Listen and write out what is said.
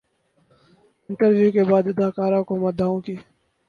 interview کے بعد اداکار کو مداحوں کی